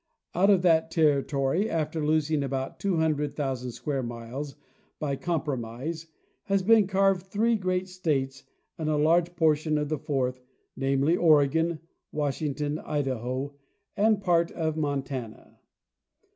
Out of that territory, after losing about 200,000 square miles by compromise, has been carved three great states and a large portion of a fourth, namely, Oregon, Washington, Idaho, and a part of Montana.